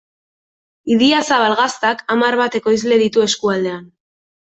Idiazabal Gaztak hamar bat ekoizle ditu eskualdean.